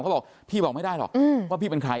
เขาบอกพี่บอกไม่ได้หรอกว่าพี่เป็นใคร